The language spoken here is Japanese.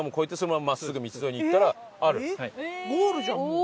ゴールじゃんもう。